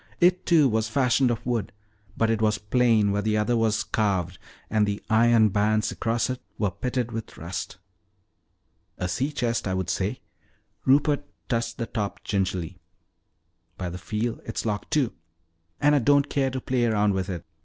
It, too, was fashioned of wood, but it was plain where the other was carved, and the iron bands across it were pitted with rust. "A sea chest, I would say." Rupert touched the top gingerly. "By the feel, it's locked too. And I don't care to play around with it.